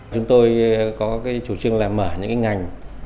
chúng tôi có chủ trương là mở những ngành